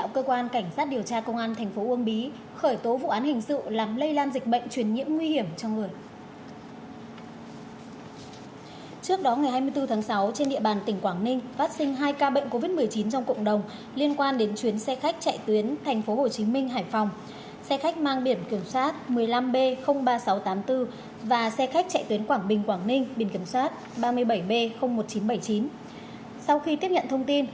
các bạn hãy đăng ký kênh để ủng hộ kênh của chúng mình nhé